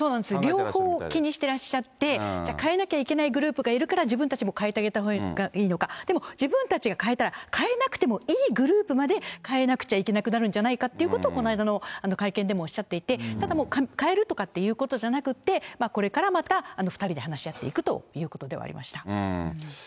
両方気にしてらっしゃって、じゃあ、変えなきゃいけないグループがいるから自分たちも変えてあげたほうがいいのか、でも自分たちが変えたら、変えなくてもいいグループまで変えなくちゃいけなくなるんじゃないかっていうことを、こないだの会見でもおっしゃっていて、ただ、変えるとかっていうことじゃなくて、これからまた、２人で話し合っていくということではありました。